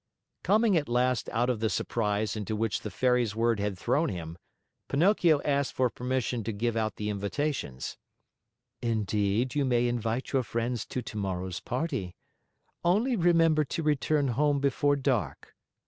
Coming at last out of the surprise into which the Fairy's words had thrown him, Pinocchio asked for permission to give out the invitations. "Indeed, you may invite your friends to tomorrow's party. Only remember to return home before dark.